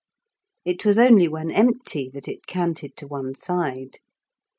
It was only when empty that it canted to one side.